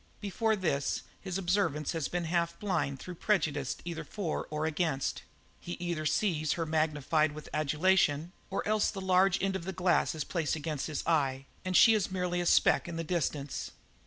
Before this his observance has been half blind through prejudice either for or against; he either sees her magnified with adulation, or else the large end of the glass is placed against his eye and she is merely a speck in the distance.